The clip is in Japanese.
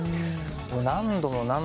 何度も何度も。